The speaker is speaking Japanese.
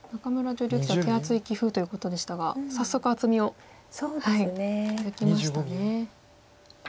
女流棋聖は手厚い棋風ということでしたが早速厚みを築きましたね。